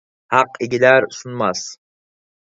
ھەق ئېگىلەر، سۇنماس!